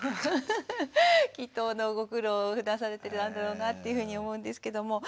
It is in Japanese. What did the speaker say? きっとご苦労をふだんされてるだろうなというふうに思うんですけども。